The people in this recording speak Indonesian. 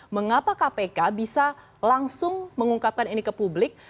mengapa kpk bisa langsung mengungkapkan ini ke publik